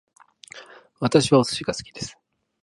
私はお寿司が好きです